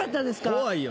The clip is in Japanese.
怖いよ